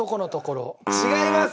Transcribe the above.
違います！